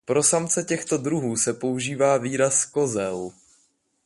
Pro samce těchto druhů se používá výraz "kozel".